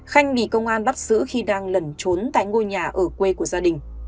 khanh bị công an bắt giữ khi đang lẩn trốn tại ngôi nhà ở quê của gia đình